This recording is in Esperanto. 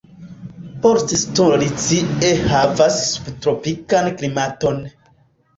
Port St. Lucie havas subtropikan klimaton.